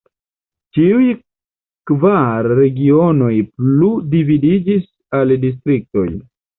Ĉiuj kvar regionoj plu dividiĝas al distriktoj.